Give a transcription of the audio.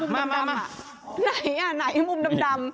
มาไหนมุมดำ